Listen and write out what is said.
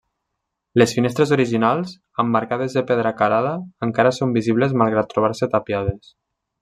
Les finestres originals, emmarcades de pedra acarada, encara són visibles malgrat trobar-se tapiades.